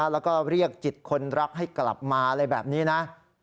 แล้วก็เรียกจิตคนรักให้กลับมาอะไรแบบนี้นะ